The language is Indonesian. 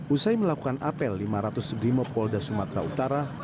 usai melakukan apel lima ratus dimo polda sumatera utara